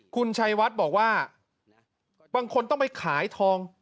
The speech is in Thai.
คุณชัยวัดบอกว่าบางคนต้องไปขายทอง